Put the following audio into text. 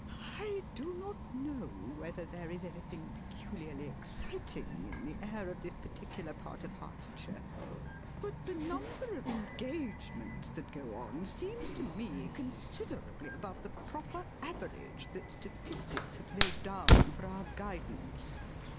] I do not know whether there is anything peculiarly exciting in the air of this particular part of Hertfordshire, but the number of engagements that go on seems to me considerably above the proper average that statistics have laid down for our guidance.